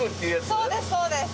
そうですそうです。